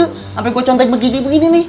sampe gua contek begini begini nih